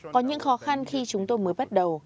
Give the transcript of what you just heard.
có những khó khăn khi chúng tôi mới bắt đầu